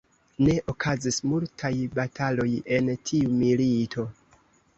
Ne okazis multaj bataloj en tiu milito.